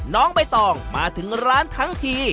น้องใบตองมาถึงร้านทั้งที